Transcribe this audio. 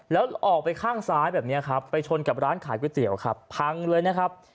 แล้วออกไปข้างซ้ายแบบนี้ครับไปชนกับร้านขายก๋วยเตี๋ยวครับพังเลยนะครับ